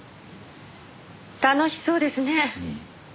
楽しそうですね。